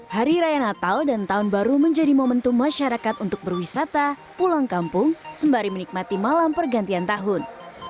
hari raya natal dan tahun baru menjadi momentum masyarakat untuk berwisata pulang kampung sembari menikmati malam pergantian tahun